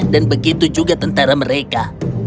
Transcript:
dan begitu juga tentara mereka